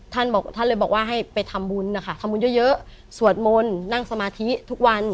ท่านบอกท่านเลยบอกว่าให้ไปทำบุญนะคะทำบุญเยอะสวดมนต์นั่งสมาธิทุกวัน